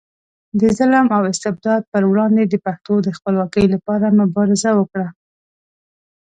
د ظلم او استبداد پر وړاندې د پښتنو د خپلواکۍ لپاره مبارزه وکړه.